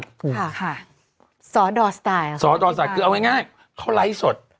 ค่ะค่ะสอดอสไตล์สอดอสไตล์คือเอาง่ายเขาไลก์สด